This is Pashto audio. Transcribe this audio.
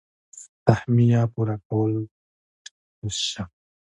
سهميه پوره کولو ټاکل شوي.